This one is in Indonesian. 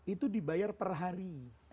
itu dibayar per hari